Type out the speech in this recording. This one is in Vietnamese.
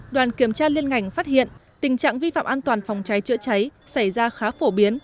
đoàn kiểm tra liên ngành phát hiện tình trạng vi phạm an toàn phòng cháy chữa cháy xảy ra khá phổ biến